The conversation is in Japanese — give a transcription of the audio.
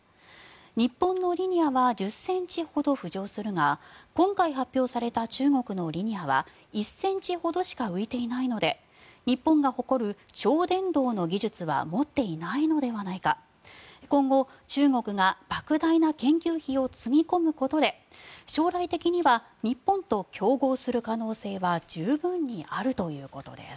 日本のリニアは１０ｃｍほど浮上するが今回発表された中国のリニアは１ｃｍほどしか浮いていないので日本が誇る超電導の技術は持っていないのではないか今後、中国がばく大な研究費をつぎ込むことで将来的には日本と競合する可能性は十分にあるということです。